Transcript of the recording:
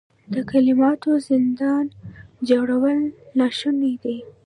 د کلماتو زندان جوړول ناشوني دي.